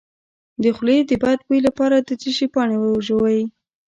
د خولې د بد بوی لپاره د څه شي پاڼې وژويئ؟